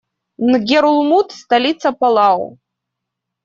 Нгерулмуд - столица Палау.